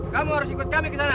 kamu harus ikut kami kesana